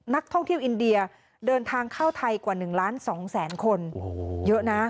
นักท่องเที่ยวอินเดียเดินทางเข้าไทยกว่า๑ล้าน๒แสนคนเยอะนะ